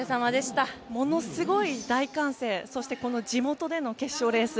ものすごい大歓声そして地元での決勝レース。